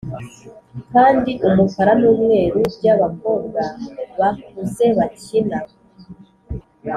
kandi umukara n'umweru byabakobwa bakuze bakina